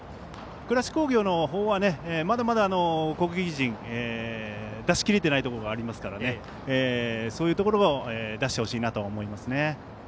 倉敷工業のほうはまだまだ攻撃陣出し切れていないところがありますからそういうところは出してほしいなと思います。